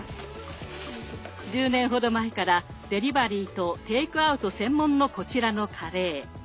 １０年ほど前からデリバリーとテイクアウト専門のこちらのカレー。